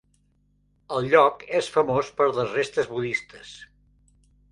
El lloc és famós per les restes budistes.